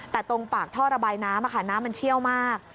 แต่ตรงปากท่อระบายน้ำน้ำมันเชี่ยวมาก